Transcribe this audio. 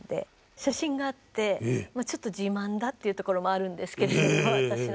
写真があってちょっと自慢だっていうところもあるんですけれども私の。